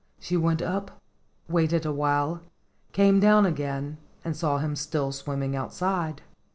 She went up, waited awhile, came down again and saw him still swimming outside.